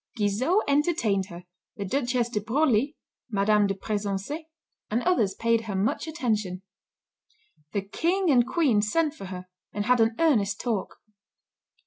Guizot entertained her, the Duchess de Broglie, M. de Pressensé, and others paid her much attention. The King and Queen sent for her, and had an earnest talk.